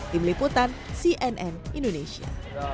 tim liputan cnn indonesia